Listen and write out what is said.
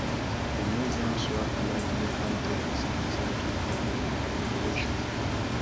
The museum's work largely halted as a result of the Cultural Revolution.